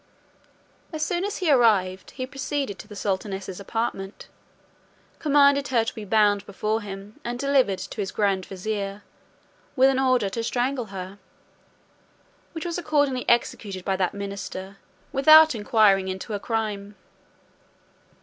As soon as he arrived, he proceeded to the sultaness's apartment, commanded her to be bound before him, and delivered her to his grand vizier, with an order to strangle her, which was accordingly executed by that minister, without inquiring into her crime.